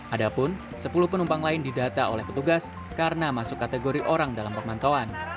adapun sepuluh penumpang lain didata oleh petugas karena masuk kategori orang dalam pemantauan